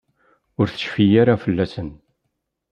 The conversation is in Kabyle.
Ur tecfi ara fell-asen.